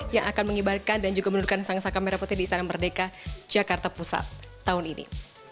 yang akan mengibarkan dan juga menurunkan sang saka merah putih di istana merdeka jakarta pusat tahun ini